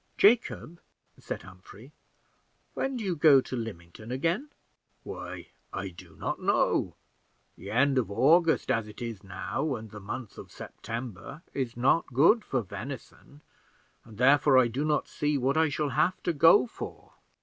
"Jacob," said Humphrey, "when do you go to Lymington again?" "Why, I do not know. The end of August, as it is now, and the month of September, is not good for venison; and, therefore, I do not see what I shall have to go for."